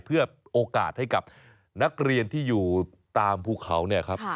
เพื่อโอกาสให้กับนักเรียนที่อยู่ตามภูเขาเนี่ยครับ